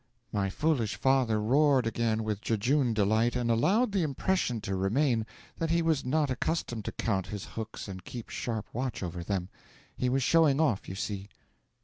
'My foolish father roared again with jejune delight, and allowed the impression to remain that he was not accustomed to count his hooks and keep sharp watch over them. He was showing off, you see.